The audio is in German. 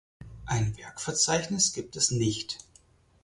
Ein Werkverzeichnis gibt es nicht.